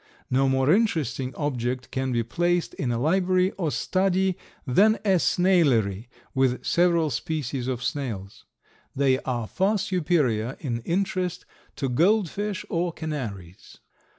No more interesting object can be placed in a library or study than a snailery with several species of snails. They are far superior in interest to goldfish or canaries.